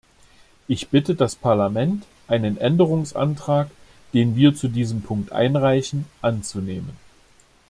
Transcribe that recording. Ich bitte das Parlament, einen Änderungsantrag, den wir zu diesem Punkt einreichen, anzunehmen.